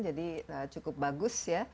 jadi cukup bagus